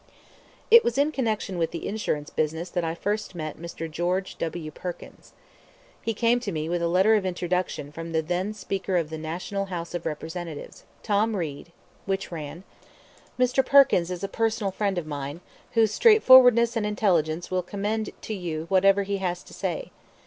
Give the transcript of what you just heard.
It was in connection with the insurance business that I first met Mr. George W. Perkins. He came to me with a letter of introduction from the then Speaker of the National House of Representatives, Tom Reed, which ran: "Mr. Perkins is a personal friend of mine, whose straightforwardness and intelligence will commend to you whatever he has to say.